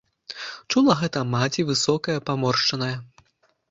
Чула гэта маці, высокая, паморшчаная.